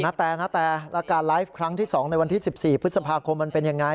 แตนาแตและการไลฟ์ครั้งที่๒ในวันที่๑๔พฤษภาคมมันเป็นยังไง